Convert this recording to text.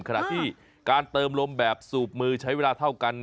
ขณะที่การเติมลมแบบสูบมือใช้เวลาเท่ากัน